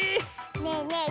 ねえねえ